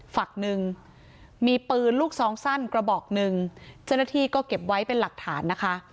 ฝั่งหนึ่งมีปืนลูกซองสั้นกระบอกหนึ่งเจ้าหน้าที่ก็เก็บไว้เป็นหลักฐานนะคะ